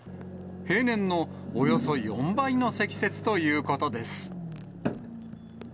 平年のおよそ４倍の積雪ということです。